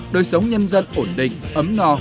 đời sống nhân dân ổn định ấm no